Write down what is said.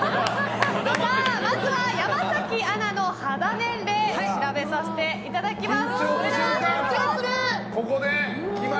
まずは山崎アナの肌年齢調べさせていただきます。